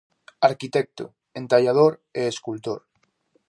Arquitecto, entallador e escultor.